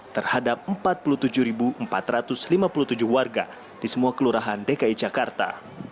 terhadap empat puluh tujuh empat ratus lima puluh tujuh warga di semua kelurahan dki jakarta